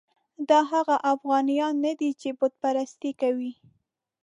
دا هغه اوغانیان نه دي چې بت پرستي کوي.